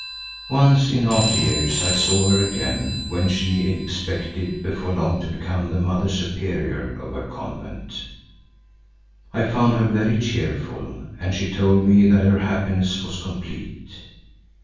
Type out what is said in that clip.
Once in after years I saw her again when she expected before long to become the Mother Superior of her convent. I found her very cheerful and she told me that her happiness was complete.